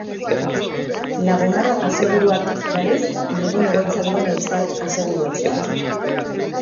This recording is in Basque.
Lagun Aro Aseguruak, berriz, Bilbon egoitza duen euskal aseguru-etxea da.